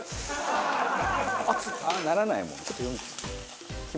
ああならないもん。